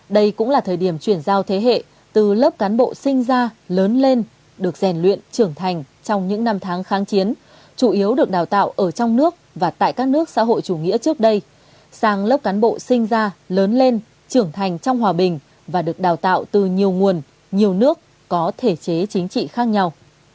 đây cũng là thời điểm chuyển giao thế hệ từ lớp cán bộ sinh ra lớn lên được rèn luyện trưởng thành trong những năm tháng kháng chiến chủ yếu được đào tạo ở trong nước và tại các nước xã hội chủ nghĩa trước đây sang lớp cán bộ sinh ra lớn lên trưởng thành trong hòa bình và được đào tạo từ nhiều nguồn nhiều nước có thể chế chính trị khác nhau